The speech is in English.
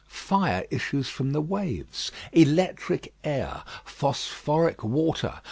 Fire issues from the waves; electric air, phosphoric water.